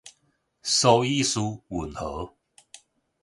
蘇伊士運河